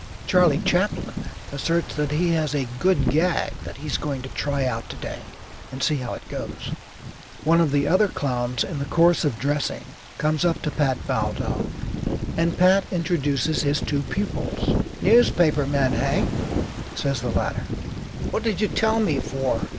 Charley Chaplin asserts that he has "a good gag" that he's going to try out to day and see how it goes. One of the other clowns in the course of dressing comes up to Pat Valdo, and Pat introduces his two pupils. "Newspaper men, hey?" says the latter. "What did you tell me for?